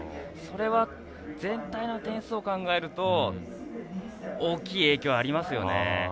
それは、全体の点数を考えると大きい影響ありますよね。